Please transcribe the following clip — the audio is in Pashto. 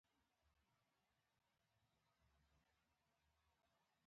دا ډول مبادله له پانګوالۍ څخه وړاندې موجوده وه